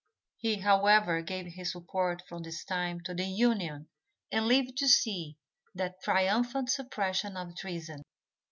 He, however, gave his support from this time to the Union and lived to see that triumphant suppression of treason.